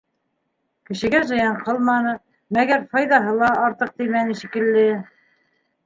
Кешегә зыян ҡылманы, мәгәр файҙаһы ла артыҡ теймәне шикелле.